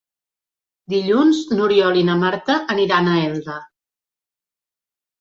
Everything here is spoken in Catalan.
Dilluns n'Oriol i na Marta aniran a Elda.